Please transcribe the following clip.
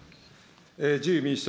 自由民主党